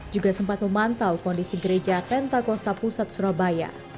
juga sempat memantau kondisi gereja tenta kosta pusat surabaya